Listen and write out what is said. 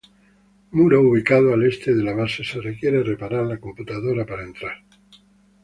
Muro ubicado al Este de la base, se requiere reparar la computadora para entrar.